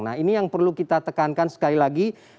nah ini yang perlu kita tekankan sekali lagi